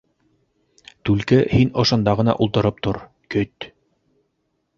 Түлке һин ошонда ғына ултырып тор, көт.